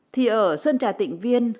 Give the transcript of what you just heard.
thì ở sơn trà tịnh viên